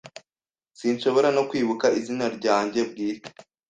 Sinshobora no kwibuka izina ryanjye bwite.